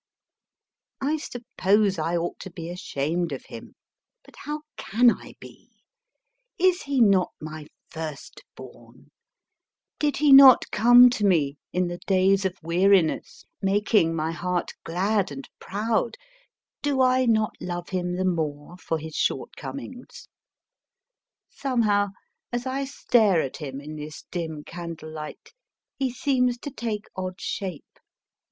I suppose I ought to be ashamed of him, but how can I be ? Is he not my first born ? Did he not come to me in the days of weariness, making Do I not love him the more for MY FIRST BORN my heart glad and proud ? his shortcomings ? Somehow, as I stare at him in this dim candlelight, he seems to take odd shape.